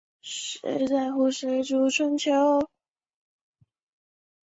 金刚狼和美国队长也在与惩罚者的对抗中一一被杀。